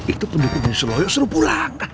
itu pendukungnya selalu yang suruh pulang